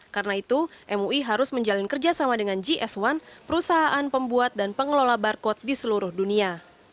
karena itu mui harus menjalin kerjasama dengan js one perusahaan pembuat dan pengelola barcode di seluruh dunia